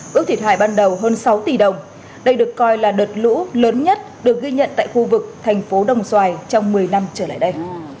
bước thiệt hại ban đầu hơn sáu tỷ đồng đây được coi là đợt lũ lớn nhất được ghi nhận tại khu vực thành phố đồng xoài trong một mươi năm trở lại đây